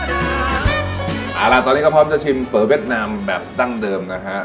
เอาล่ะตอนนี้ก็พร้อมจะชิมเฟ้อเวียดนามแบบดั้งเดิมนะฮะ